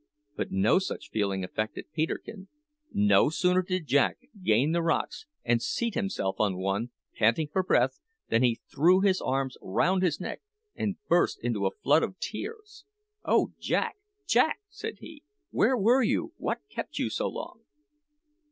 But no such feeling affected Peterkin. No sooner did Jack gain the rocks and seat himself on one, panting for breath, than he threw his arms round his neck and burst into a flood of tears. "Oh Jack! Jack!" said he, "where were you? What kept you so long?"